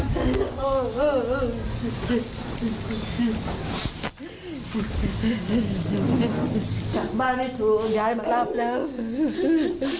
ช่องตามยายมานะโชว์หน้าลูก